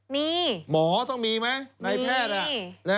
มีหมอต้องมีไหมในแพทย์